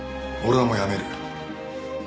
俺はもうやめる。